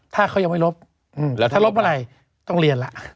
ถ้าเขายังไม่ลบถ้าลบเมื่อไหร่ต้องเรียนแล้ว